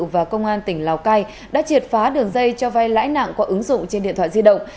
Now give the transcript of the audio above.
và công an tỉnh lào cai đã triệt phá đường dây cho vay lãi nặng qua ứng dụng trên điện thoại di động